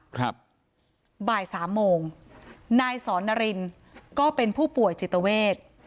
ครับบ่ายสามโมงนายสอนนารินก็เป็นผู้ป่วยจิตเวท